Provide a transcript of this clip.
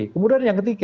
kemudian yang ketiga